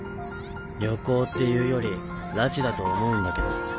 旅行っていうより拉致だと思うんだけど。